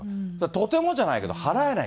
とてもじゃないけど払えない。